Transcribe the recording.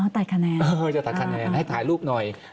ตัดคะแนนเออจะตัดคะแนนให้ถ่ายรูปหน่อย